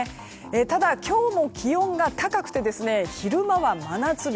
ただ、今日も気温が高くて昼間は真夏日。